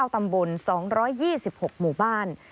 ๙ตำบล๒๒๖หมู่บ้าน